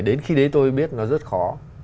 đến khi đấy tôi biết nó rất khó